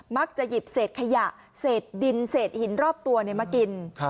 หยิบเศษขยะเศษดินเศษหินรอบตัวมากิน